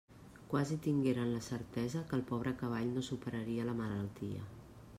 Quasi tingueren la certesa que el pobre cavall no superaria la malaltia.